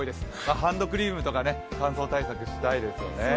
ハンドクリームとか乾燥対策したいですよね。